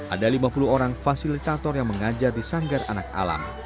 ada lima puluh orang fasilitator yang mengajar di sanggar anak alam